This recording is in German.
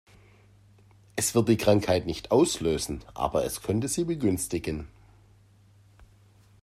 Es wird die Krankheit nicht auslösen, aber es könnte sie begünstigen.